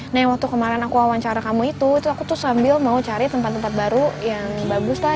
nah yang waktu kemarin aku wawancara kamu itu aku tuh sambil mau cari tempat tempat baru yang bagus lah